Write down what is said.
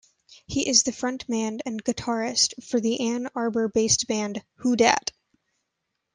He is the frontman and guitarist for the Ann Arbor-based band, Who Dat?